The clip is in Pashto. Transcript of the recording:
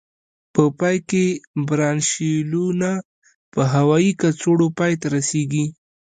په پای کې برانشیولونه په هوایي کڅوړو پای ته رسيږي.